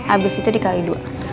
abis itu dikali dua